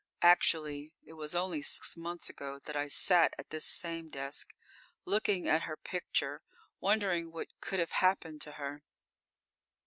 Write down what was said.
Actually, it was only six months ago that I sat at this same desk, looking at her picture, wondering what could have happened to her.